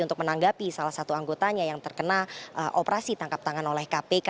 untuk menanggapi salah satu anggotanya yang terkena operasi tangkap tangan oleh kpk